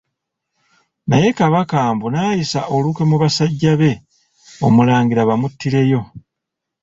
Naye Kabaka mbu n'ayisa olukwe mu basajja be, Omulangira bamuttireyo.